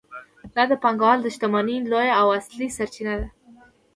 دا د پانګوال د شتمنۍ لویه او اصلي سرچینه ده